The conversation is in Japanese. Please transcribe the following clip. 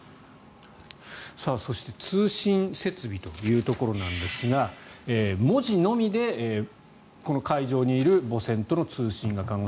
そして通信設備というところですが文字のみで海上にいる母船との通信が可能。